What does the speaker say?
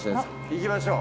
行きましょう！